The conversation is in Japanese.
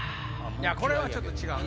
これはちょっと違う。